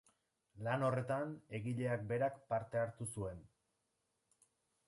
Lan horretan egileak berak parte hartu zuen.